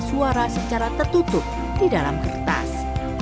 suara secara tertutup di dalam kertas